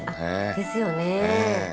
ですよね。